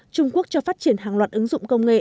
trung quốc cho phát triển hàng loạt ứng dụng công nghệ